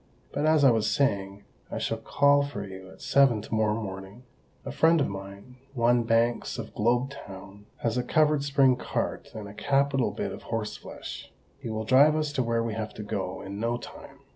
But, as I was saying, I shall call for you at seven to morrow morning; a friend of mine—one Banks of Globe Town—has a covered spring cart and a capital bit of horse flesh. He will drive us to where we have to go, in no time.